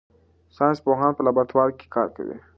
ساینس پوهان په لابراتوار کې کار کوي.